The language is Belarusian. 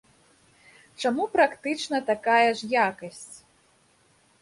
Чаму практычна такая ж якасць?